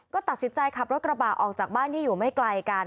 ก็ตัดสินใจขับรถกระบะออกจากบ้านที่อยู่ไม่ไกลกัน